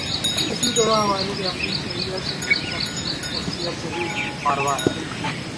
اسی طرح ہماری ریاست شیعہ سنی شناخت سے بھی ماورا ہے۔